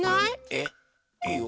えいいよ。